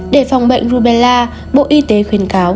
để phòng bệnh rubella bộ y tế khuyên cáo